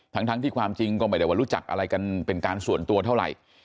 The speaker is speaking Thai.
ทั้งที่ความจริงก็ไม่ได้ว่ารู้จักอะไรกันเป็นการส่วนตัวเท่าไหร่